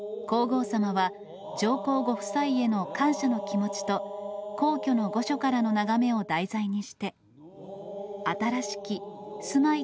皇后さまは、上皇ご夫妻への感謝の気持ちと、皇居の御所からの眺めを題材にして、新しき住ま